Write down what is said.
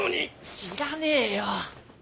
知らねえよ！